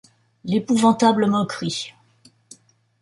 L’épouvantable moquerie